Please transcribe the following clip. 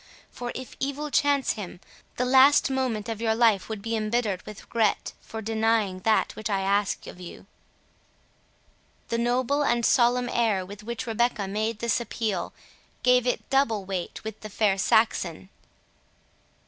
For, if evil chance him, the last moment of your life would be embittered with regret for denying that which I ask of you." The noble and solemn air with which Rebecca made this appeal, gave it double weight with the fair Saxon.